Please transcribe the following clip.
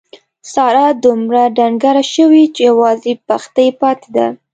ساره دومره ډنګره شوې یوازې پښتۍ پاتې ده.